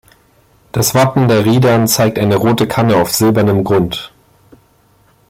Das Wappen der Riedern zeigt eine rote Kanne auf silbernem Grund.